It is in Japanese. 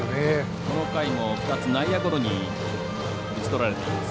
この回も２つ内野ゴロに打ちとられています。